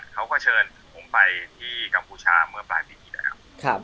เขาก็เชิญผมไปที่กัมพูชาเมื่อปลายปีที่แล้ว